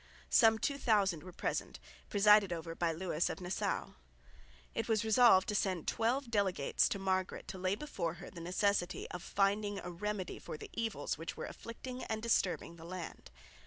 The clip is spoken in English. Some two thousand were present, presided over by Lewis of Nassau. It was resolved to send twelve delegates to Margaret to lay before her the necessity of finding a remedy for the evils which were afflicting and disturbing the land.